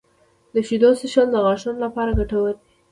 • د شیدو څښل د غاښونو لپاره ګټور دي.